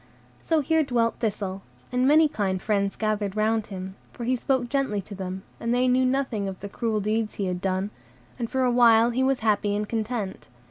So here dwelt Thistle, and many kind friends gathered round him, for he spoke gently to them, and they knew nothing of the cruel deeds he had done; and for a while he was happy and content.